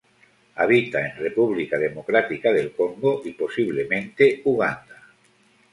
Habita en República Democrática del Congo y posiblemente Uganda.